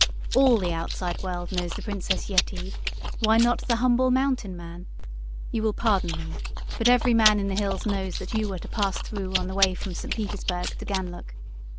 "All the outside world knows the Princess Yetive why not the humble mountain man? You will pardon me, but every man in the hills knows that you are to pass through on the way from St. Petersburg to Ganlook.